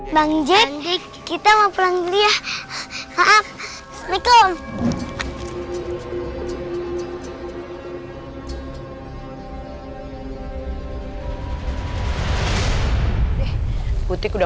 bang jack kita mau pulang dulu ya